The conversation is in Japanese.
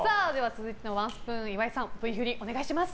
続いてのワンスプーン岩井さん、Ｖ振りお願いします。